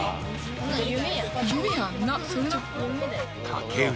［竹内。